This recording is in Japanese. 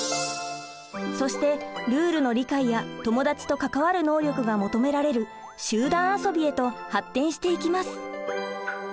そしてルールの理解や友達と関わる能力が求められる「集団遊び」へと発展していきます。